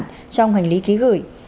trong hành lý ký gửi